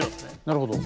なるほど。